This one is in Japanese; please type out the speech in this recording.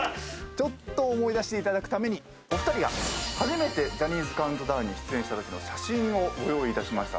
思い出していただくためにお二人が初めてジャニーズカウントダウンに出演したときの写真をご用意いたしました。